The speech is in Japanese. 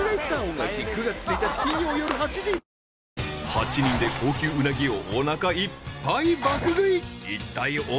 ［８人で高級うなぎをおなかいっぱい爆食い］